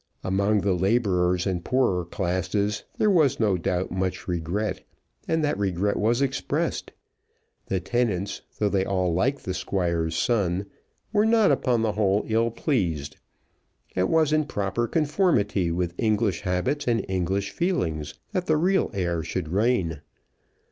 Among the labourers and poorer classes there was no doubt much regret, and that regret was expressed. The tenants, though they all liked the Squire's son, were not upon the whole ill pleased. It was in proper conformity with English habits and English feelings that the real heir should reign.